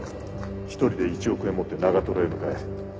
１人で１億円を持って長へ向かえ。